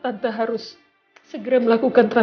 tante takut untuk meneleponoponia